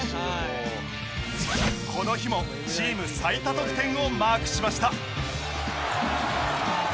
この日もチーム最多得点をマークしました。